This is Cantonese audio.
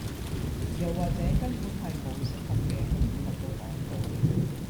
又或者根本係無合適嘅去配合個講稿